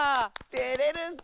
てれるッス！